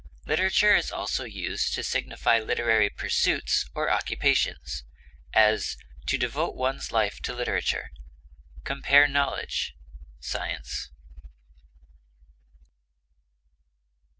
Literature is also used to signify literary pursuits or occupations; as, to devote one's life to literature. Compare KNOWLEDGE; SCIENCE.